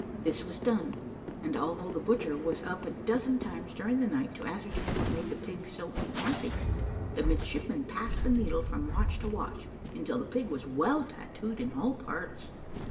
This was done, and although the butcher was up a dozen times during the night to ascertain what made the pigs so uneasy, the midshipmen passed the needle from watch to watch, until the pig was well tattooed in all parts.